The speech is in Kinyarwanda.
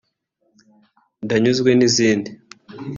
Ndanyuzwe n’izindi